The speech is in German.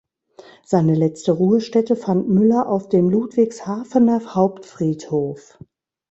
Seine letzte Ruhestätte fand Müller auf dem Ludwigshafener Hauptfriedhof.